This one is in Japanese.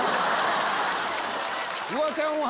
フワちゃんは？